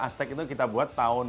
asetek itu kita buat tauan